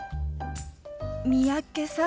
三宅さん？